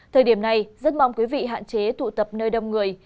thời điểm này rất mong quý vị hạn chế tụ tập nơi đông người